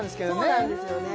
そうなんですよね